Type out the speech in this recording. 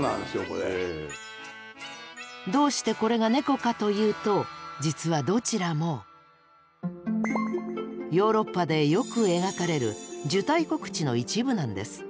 どうしてこれがネコかというと実はどちらもヨーロッパでよく描かれる「受胎告知」の一部なんです。